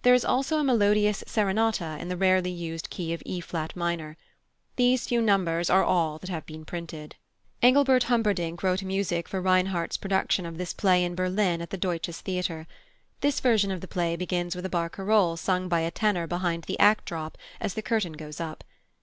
There is also a melodious serenata in the rarely used key of E flat minor. These few numbers are all that have been printed. +Engelbert Humperdinck+ wrote music for Reinhardt's production of this play in Berlin at the Deutsches Theater. This version of the play begins with a barcarolle sung by a tenor behind the act drop as the curtain goes up.